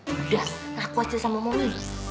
udah ngaku aja sama momi